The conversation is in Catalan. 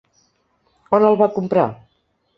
On el va comprar?